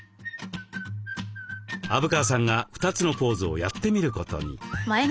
虻川さんが２つのポーズをやってみることに。